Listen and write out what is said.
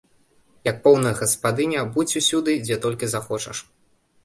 Як поўная гаспадыня будзь усюды, дзе толькі захочаш.